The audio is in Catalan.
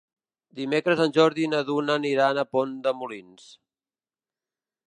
Dimecres en Jordi i na Duna aniran a Pont de Molins.